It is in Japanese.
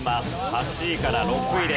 ８位から６位です。